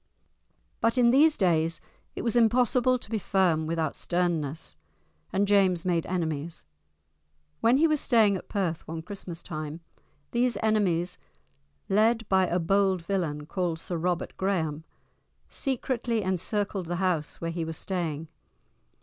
But in these days it was impossible to be firm without sternness, and James made enemies. When he was staying at Perth one Christmas time, these enemies, led by a bold villain called Sir Robert Graham, secretly encircled the house where he was staying.